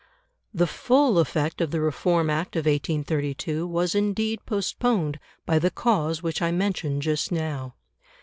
The full effect of the Reform Act of 1832 was indeed postponed by the cause which I mentioned just now.